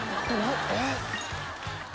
えっ。